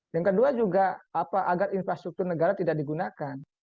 yang kedua juga agar infrastruktur negara tidak digunakan